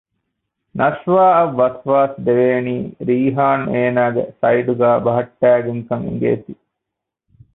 ނަޝްވާ އަށް ވަސްވާސް ދެވޭނީ ރީހާން އޭނާގެ ސައިޑްގައި ބަހައްޓައިގެން ކަން އެނގޭތީ